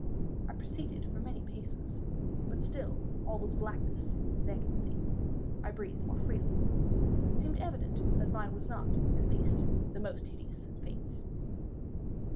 I proceeded for many paces; but still all was blackness and vacancy. I breathed more freely. It seemed evident that mine was not, at least, the most hideous of fates.